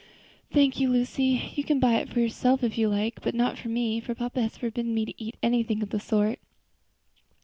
"Thank you, Lucy; you can buy for yourself if you like, but not for me, for papa has forbidden me to eat anything of the sort."